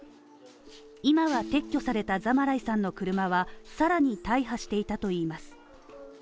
今は撤去されたザマライさんの車はさらに大破していたといいます。